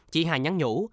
chị hà nhắn nhũ